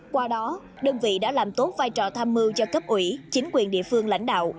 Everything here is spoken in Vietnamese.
qua đó đơn vị đã làm tốt vai trò tham mưu cho cấp ủy chính quyền địa phương lãnh đạo